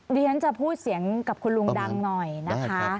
เรียนจะพูดเสียงกับคุณลุงดังหน่อยนะคะ